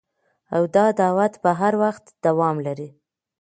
او دا دعوت به هر وخت دوام لري